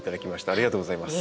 ありがとうございます。